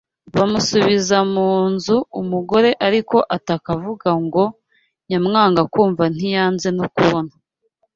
Bamusubiza mu nzu umugore ariko ataka avuga ngo Nyamwanga kumva ntiyanze no kubona